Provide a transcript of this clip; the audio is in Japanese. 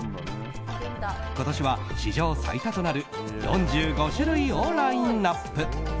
今年は史上最多となる４５種類をラインアップ。